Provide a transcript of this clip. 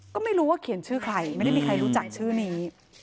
ก็ไม่รู้ว่าเขียนชื่อใครไม่ได้มีใครรู้จักชื่อนี้